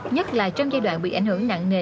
nhất là trong giai đoạn bị ảnh hưởng nặng nề